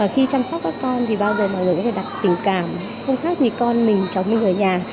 khi chăm sóc các con thì bao giờ mọi người có thể đặt tình cảm không khác như con mình cháu mình ở nhà